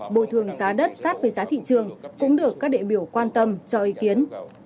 bồi thường giá đất sát với giá thị trường cũng được các đại biểu quan tâm cho ý kiến